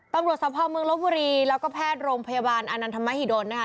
ต้องรวชสภาพเมืองลบบุรีแล้วก็แพทย์โรงพยาบาลอานานธรรมฮิดลนะคะ